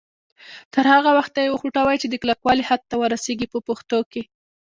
تر هغه وخته یې وخوټوئ چې د کلکوالي حد ته ورسیږي په پښتو کې.